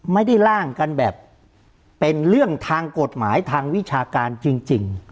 ร่างกันแบบเป็นเรื่องทางกฎหมายทางวิชาการจริง